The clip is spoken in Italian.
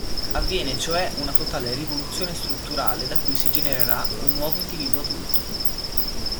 Avviene cioè una totale rivoluzione strutturale da cui si genererà un nuovo individuo adulto.